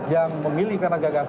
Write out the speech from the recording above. yang memilih karena gagasan